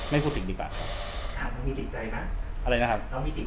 ไม่พูดถึงดีกว่าครับ